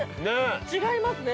◆違いますね。